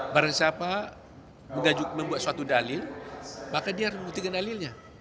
barang siapa membuat suatu dalil maka dia harus membuktikan dalilnya